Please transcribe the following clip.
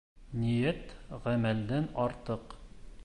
Ниәт ғәмәлдән артыҡ.